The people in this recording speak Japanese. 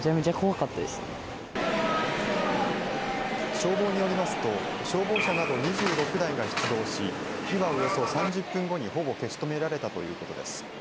消防によりますと消防車など２６台が出動し火は、およそ３０分後にほぼ消し止められたということです。